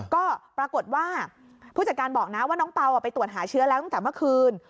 ก็ปรากฏว่าผู้จัดการบอกนะว่าน้องเปล่าไปตรวจหาเชื้อแล้วตั้งแต่เมื่อคืน